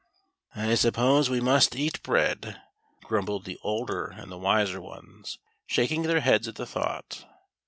" I suppose we must eat bread," grumbled the older and the wiser ones, shaking their heads at the thought.